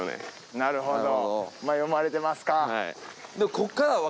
なるほどね。